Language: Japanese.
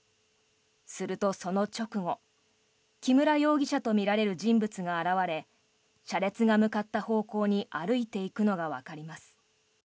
すると、その直後木村容疑者とみられる人物が現れ車列が向かった方向に歩いていくのがわかります。